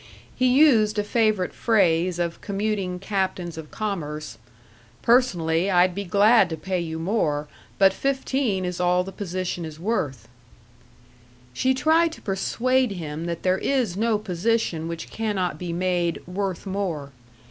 He used a favorite phrase of commuting captains of commerce: "Personally, I'd be glad to pay you more, but fifteen is all the position is worth." She tried to persuade him that there is no position which cannot be made "worth more."